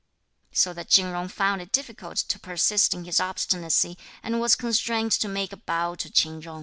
so that Chin Jung found it difficult to persist in his obstinacy, and was constrained to make a bow to Ch'in Chung.